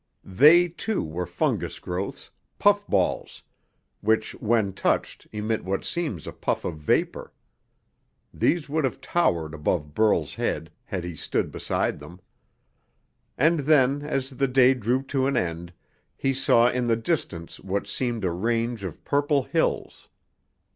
They, too, were fungus growths, puffballs, which when touched emit what seems a puff of vapor. These would have towered above Burl's head, had he stood beside them. And then, as the day drew to an end, he saw in the distance what seemed a range of purple hills.